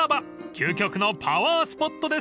［究極のパワースポットです］